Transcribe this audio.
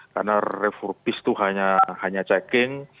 karena refurbish itu hanya checking